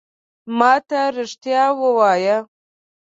ما ته رېښتیا ووایه !